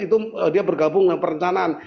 itu dia bergabung dengan perencanaan